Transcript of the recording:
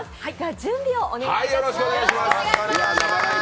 準備をお願いいたします。